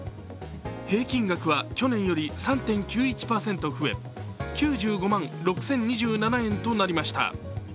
平均額は去年より３．９１％増え９５万６０２７円となりました。